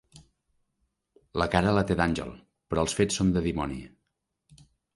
La cara la té d'àngel, però els fets són de dimoni.